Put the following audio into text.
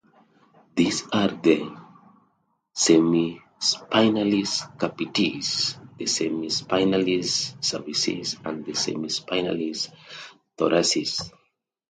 These are the semispinalis capitis, the semispinalis cervicis and the semispinalis thoracis.